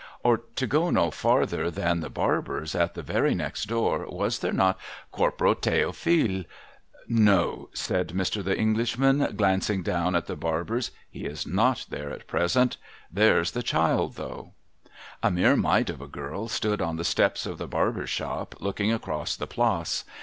Or, to go no farther than the Barber's at the very next door, was there not Corporal The'ophile ' No,' said Mr. The Englishman, glancing down at the Barber's, ' he is not there at present. There's the child, though.' A mere mite of a girl stood on the steps of the Barber's shop, looking across the Place.